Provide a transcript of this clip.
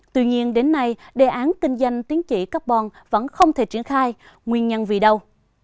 tuy nhiên đến nay đề án kinh doanh tính trị carbon vẫn không thể triển khai nguyên nhân vì đâu